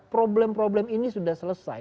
problem problem ini sudah selesai